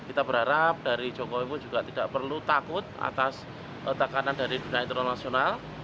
kita berharap dari jokowi pun juga tidak perlu takut atas tekanan dari dunia internasional